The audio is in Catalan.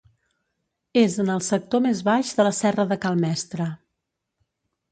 És en el sector més baix de la Serra de Cal Mestre.